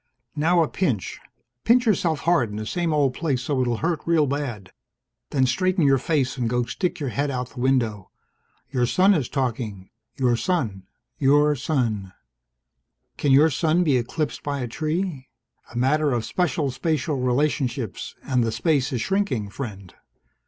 Now a pinch. Pinch yourself hard in the same old place so it'll hurt real bad. Then straighten your face and go stick your head out the window. Your son is talking your son, your sun. Can your son be eclipsed by a tree? A matter of special spatial relationships, and the space is shrinking, friend.